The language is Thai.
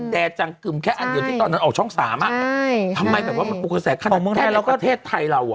แดดจังกึมแค่อันเดียวที่ตอนนั้นออกช่องสามอ่ะใช่ใช่ทำไมแบบว่ามันปกแสขนาดแค่ในประเทศไทยเราอ่ะ